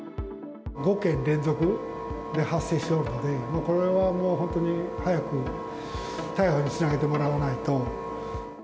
５件連続で発生しておるので、もうこれは本当に早く逮捕につなげてもらわないと。